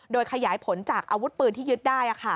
โดยขยายผลจากอาวุธปืนที่ยึดได้